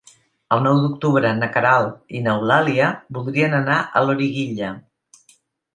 El nou d'octubre na Queralt i n'Eulàlia voldrien anar a Loriguilla.